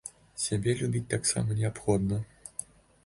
Сябе любіць таксама неабходна.